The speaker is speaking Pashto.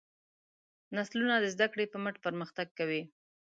نسلونه د زدهکړې په مټ پرمختګ کوي.